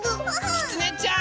きつねちゃん！